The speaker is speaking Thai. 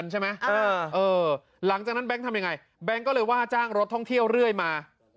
หลังจากนั้นแบงค์ทำยังไงแบงค์ก็เลยว่าจ้างรถท่องเที่ยวเรื่อยมา